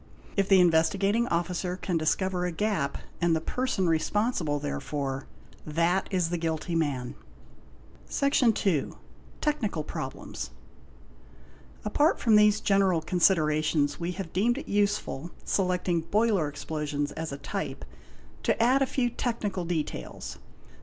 If the Investigating Officer can discover a gap and the ~ person responsible therefor—that is the guilty man. TECHNICAL PROBLEMS 863 Section ii. —Technical Problems. Apart from these general considerations, we have deemed it useful, selecting boiler explosions as a type, to add a few technical details; the.